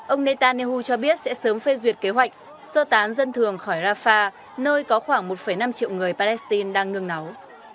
ông netanyahu cho biết sẽ sớm phê duyệt kế hoạch sơ tán dân thường khỏi rafah nơi có khoảng một năm triệu người palestine đang nương nấu